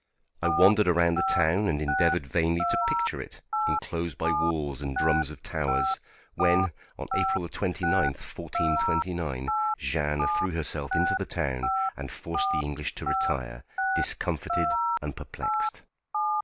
I wandered around the town, and endeavoured vainly to picture it, enclosed by walls and drums of towers, when on April 29th, 1429, Jeanne threw herself into the town and forced the English to retire, discomfited and perplexed.